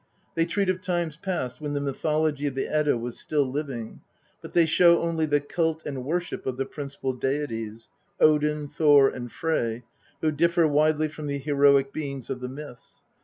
They treat of times past when the mytho logy of the Edda was still living, but they show only the cult and worship of the principal deities Odin, Thor, and Frey who differ widely from the heroic beings of the myths.